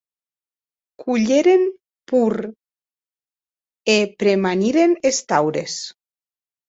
Cuelheren pòur e premaniren es taures.